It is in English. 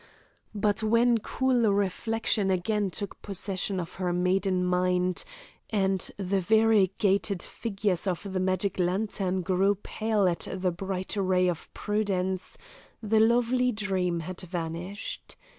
But when cool reflection again took possession of her maiden mind, and the variegated figures of the magic lantern grew pale at the bright ray of prudence, the lovely dream had vanished.